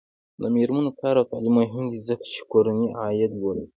د میرمنو کار او تعلیم مهم دی ځکه چې کورنۍ عاید لوړوي.